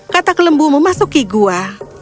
katak lembu memasuki gua